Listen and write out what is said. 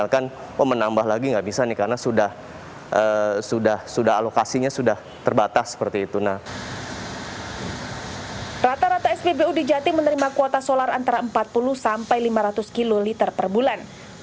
rata rata spbu di jatim menerima kuota solar antara empat puluh sampai lima ratus kiloliter per bulan